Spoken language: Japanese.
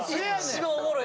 一番おもろい。